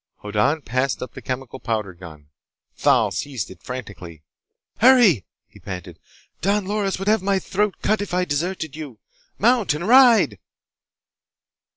Hoddan passed up the chemical—powder—gun. Thal seized it frantically. "Hurry!" he panted. "Don Loris would have my throat cut if I deserted you! Mount and ride!"